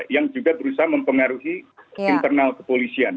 yang juga berusaha mempengaruhi internal kepolisian